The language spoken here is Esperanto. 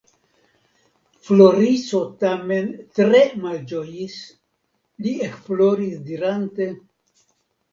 Floriso tamen tre malĝojis; li ekploris dirante.